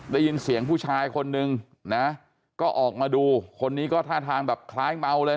ได้ยินเสียงผู้ชายคนนึงนะก็ออกมาดูคนนี้ก็ท่าทางแบบคล้ายเมาเลยนะ